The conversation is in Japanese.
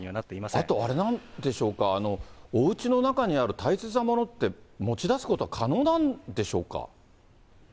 あとあれなんでしょうか、おうちの中にある大切なものって、持ち出すことは可能なんでしょうか。